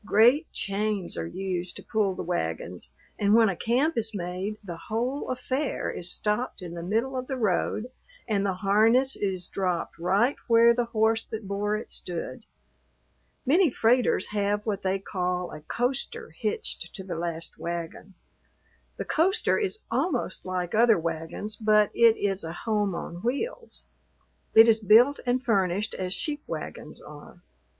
Great chains are used to pull the wagons, and when a camp is made the whole affair is stopped in the middle of the road and the harness is dropped right where the horse that bore it stood. Many freighters have what they call a coaster hitched to the last wagon. The coaster is almost like other wagons, but it is a home on wheels; it is built and furnished as sheep wagons are.